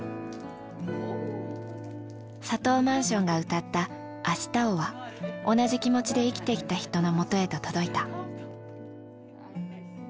ＳａＴｏＭａｎｓｉｏｎが歌った「明日を」は同じ気持ちで生きてきた人のもとへと届いた。